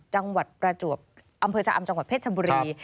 จังหวัดประจวบอำเภอชะอำจังหวัดเพชรชบุรี